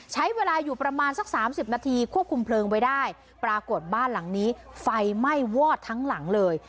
ใช้เวลาอยู่ประมาณสักสามสิบนาทีควบคุมเพลิงไว้ได้ปรากฏบ้านหลังนี้ไฟไหม้วอดทั้งหลังเลย